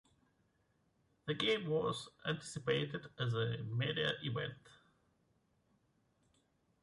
The game was anticipated as a media event.